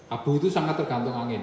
abu itu sangat tergantung angin